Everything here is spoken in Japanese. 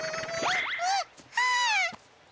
あっ！